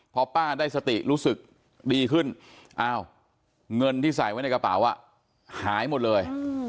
พอป้าได้สติรู้สึกดีขึ้นอ้าวเงินที่ใส่ไว้ในกระเป๋าหายหมดเลย